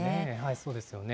そうですよね。